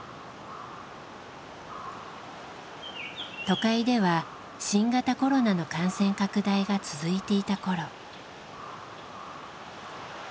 都会では新型コロナの感染拡大が続いていた頃。